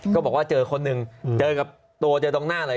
ก็บอกว่าเจอคนหนึ่งเจอกับตัวเจอตรงหน้าอะไร